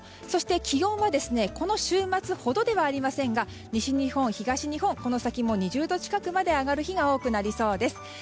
そして、気温はこの週末ほどではありませんが西日本、東日本この先も２０度近くまで上がる日が多くなりそうです。